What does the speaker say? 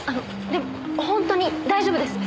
でも本当に大丈夫です。